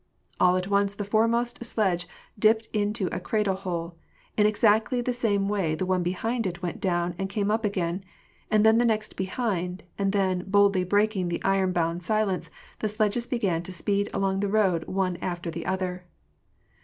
All at once, the foremost sledge dipped into a cradle hole ; in exactly the same way the one behind it went down and came up again, and then the next behind ; and then, boldly breaking the iron bound silence, the sledges began to speed along the road one after the other.